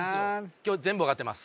今日全部分かってます